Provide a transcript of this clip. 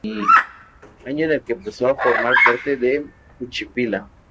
Año en que pasó a formar parte de Juchipila.